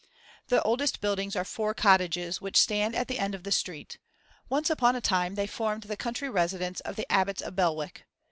The oldest buildings are four cottages which stand at the end of the street; once upon a time they formed the country residence of the abbots of Belwick.